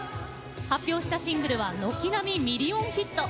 発表したシングルは軒並みミリオンヒット。